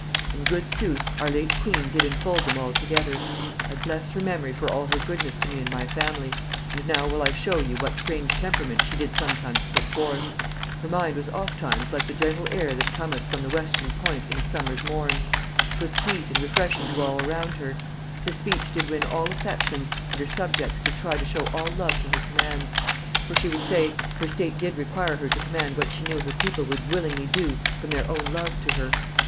In good sooth our late queen did infold them all together. I bless her memory for all her goodness to me and my family; and now will I show you what strange temperament she did sometimes put forth. Her mind was oftimes like the gentle air that cometh from the westerly point in a summer's morn; 'twas sweet and refreshing to all around her. Her speech did win all affections, and her subjects did try to show all love to her commands; for she would say, her state did require her to command what she knew her people would willingly do from their own love to her.